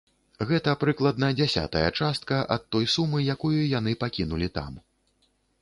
Гэта прыкладна дзясятая частка ад той сумы, якую яны пакінулі там.